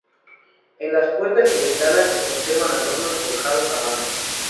En las puertas y ventanas, se conservan adornos forjados a mano.